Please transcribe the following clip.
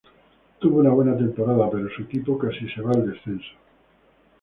Tuvo una buena temporada pero su equipo casi se va al descenso.